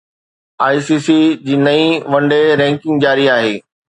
اي C C جي نئين one day ranking جاري آهي